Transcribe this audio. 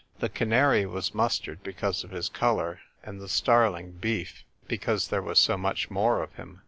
The canary was Mustard because of his colour, and the starling Beef because there was so much more of him.